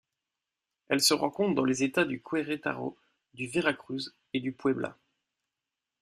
Elle se rencontre dans les États du Querétaro, du Veracruz et du Puebla.